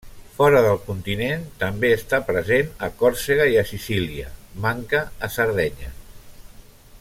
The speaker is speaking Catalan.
Fora del continent, també està present a Còrsega i a Sicília, manca a Sardenya.